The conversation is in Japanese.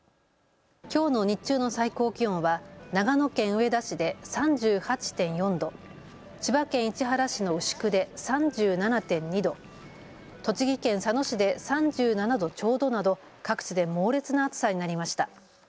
きょうの日中の最高気温は長野県上田市で３８．４度、千葉県市原市の牛久で３７．２度、栃木県佐野市で３７度ちょうどなど各地で猛烈な暑さになりました。